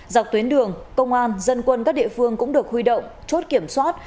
dọc tuyến đường công an dân quân các địa phương cũng được huy động chốt kiểm soát